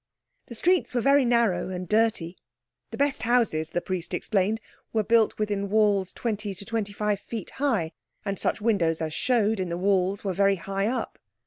The streets were very narrow and dirty. The best houses, the priest explained, were built within walls twenty to twenty five feet high, and such windows as showed in the walls were very high up.